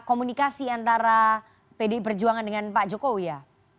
komunikasi antara pdi perjuangan dengan pak jokowi ya